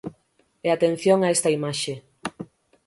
E atención a esta imaxe.